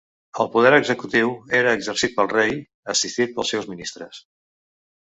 El poder executiu era exercit pel Rei, assistit pels seus ministres.